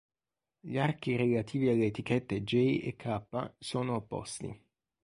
Gli archi relativi alle etichette j e k sono opposti.